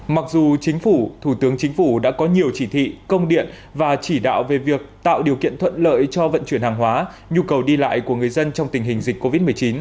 mặc dù chính phủ thủ tướng chính phủ đã có nhiều chỉ thị công điện và chỉ đạo về việc tạo điều kiện thuận lợi cho vận chuyển hàng hóa nhu cầu đi lại của người dân trong tình hình dịch covid một mươi chín